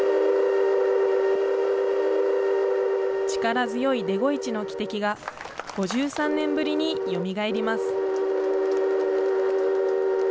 力強いデゴイチの汽笛が、５３年ぶりによみがえります。